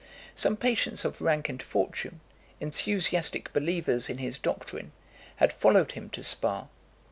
Some patients of rank and fortune, enthusiastic believers in his doctrine, had followed him to Spa.